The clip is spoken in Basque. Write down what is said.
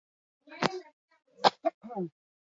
Baliteke balea urdinaren ahaide gertukoa izatea.